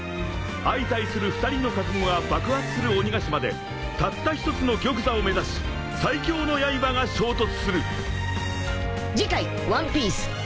［相対する２人の覚悟が爆発する鬼ヶ島でたった一つの玉座を目指し最強のやいばが衝突する］